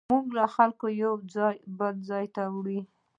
موټر خلک له یوه ځایه بل ته وړي.